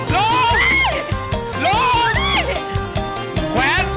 เร็วเร็วเร็วเร็ว